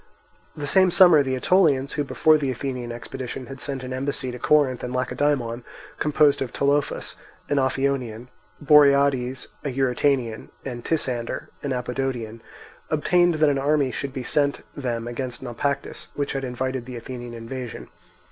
The same summer the Aetolians, who before the Athenian expedition had sent an embassy to Corinth and Lacedaemon, composed of Tolophus, an Ophionian, Boriades, an Eurytanian, and Tisander, an Apodotian, obtained that an army should be sent them against Naupactus, which had invited the Athenian invasion.